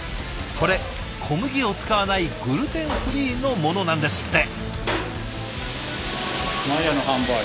これ小麦を使わないグルテンフリーのものなんですって。